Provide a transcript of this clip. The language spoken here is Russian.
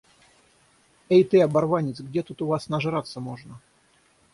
Эй ты, оборванец! Где тут у вас нажраться можно?